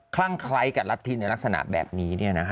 คลั่งไคร้กับลัตินในลักษณะแบบนี้